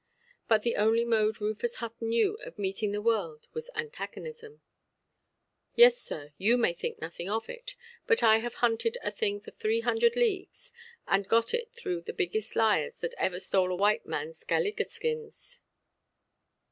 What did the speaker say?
But the only mode Rufus Hutton knew of meeting the world was antagonism. "Yes, sir, you may think nothing of it. But I have hunted a thing for three hundred leagues, and got at it through the biggest liars that ever stole a white manʼs galligaskins".